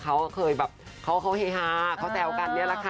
เพราะว่าแฟนคับดีโจ๊กเขาก็เคยเข้าโหฮฮะเขาแสวกันนี่แหละค่ะ